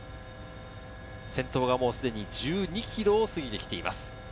先頭がすでに１２ｋｍを過ぎてきています。